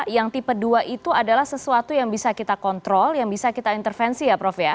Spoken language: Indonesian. yang tipe dua itu adalah sesuatu yang bisa kita kontrol yang bisa kita intervensi ya prof ya